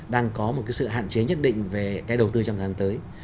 đang có một sự hạn chế nhất định về đầu tư trong tháng tới